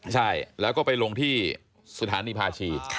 ใช่แล้วก็ไปลงที่สถานีพาชี